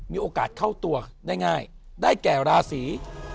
มีโอกาสเข้าตัวได้ง่ายได้แก่ราศี